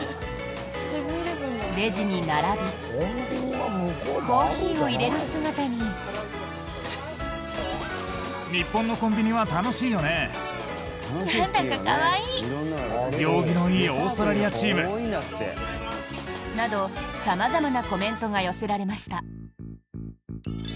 レジに並びコーヒーを入れる姿に。など、様々なコメントが寄せられました。